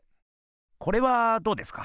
これはどうですか？